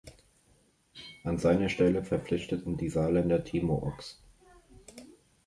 An seiner Stelle verpflichteten die Saarländer Timo Ochs.